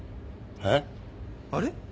えっ？あれ！？